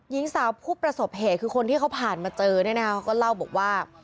ยิ้งสาวผู้ประสบเหตุคือคนที่เขาผ่านมาเจอนะครับเลยมาแล้วก็เล่าพูดว่า